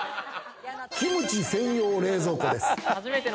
キムチ専用冷蔵庫です。